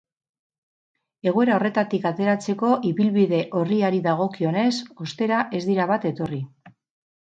Egoera horretatik ateratzeko ibilbide orriari dagokionez, ostera, ez dira bat etorri.